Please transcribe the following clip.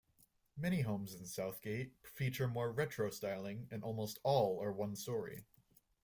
Many homes in Southgate feature more "retro" styling, and almost all are one story.